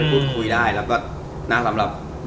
สนุกสนาน